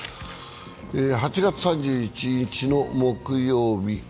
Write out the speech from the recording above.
８月３１日の木曜日。